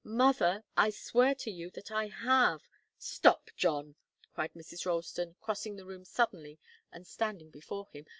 "Mother, I swear to you that I have!" "Stop, John!" cried Mrs. Ralston, crossing the room suddenly and standing before him.